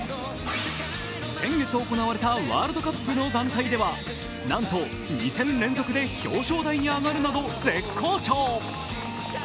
先月行われたワールドカップの団体ではなんと２戦連続で表彰台に上がるなど絶好調。